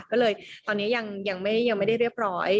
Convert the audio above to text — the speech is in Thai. ก็เลยตอนนี้ยังไม่ได้เรียบร้อย